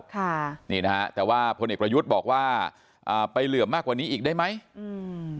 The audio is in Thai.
ค่ะนี่นะฮะแต่ว่าพลเอกประยุทธ์บอกว่าอ่าไปเหลื่อมมากกว่านี้อีกได้ไหมอืม